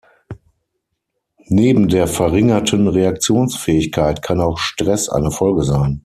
Neben der verringerten Reaktionsfähigkeit kann auch Stress eine Folge sein.